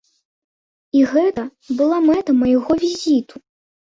І гэта была мэта майго візіту.